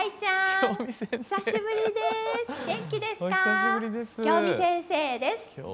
京美先生です。